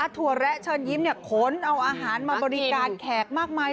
ถั่วแระเชิญยิ้มขนเอาอาหารมาบริการแขกมากมาย